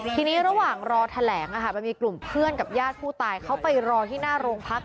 ทีนี้ระหว่างรอแถลงมันมีกลุ่มเพื่อนกับญาติผู้ตายเขาไปรอที่หน้าโรงพัก